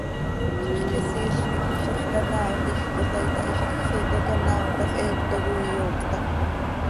Zixquisiil quih ziix canaao quij cola itahizaj, xiica canaaotaj heecto coi iyoocta.